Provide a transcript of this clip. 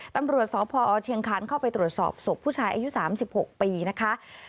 ตำรวจสพอเชียงคันเข้าไปตรวจสอบศพผู้ชายอายุ๓๖ปีนะคะ